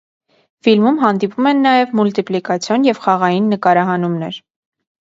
Ֆիլմում հանդիպում են նաև մուլտիպլիկացիոն և խաղային նկարահանումներ։